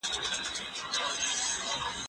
هغه څوک چي بوټونه پاکوي روغ اوسي